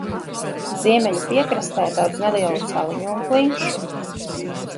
Ziemeļu piekrastē daudz nelielu saliņu un klinšu.